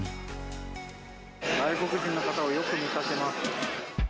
外国人の方をよく見かけます。